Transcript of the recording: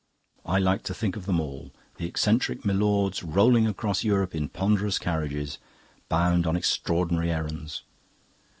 I like to think of them all: the eccentric milords rolling across Europe in ponderous carriages, bound on extraordinary errands.